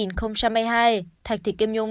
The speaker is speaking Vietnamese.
năm hai nghìn hai mươi hai thạch thị kim nhung